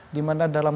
di mana dalam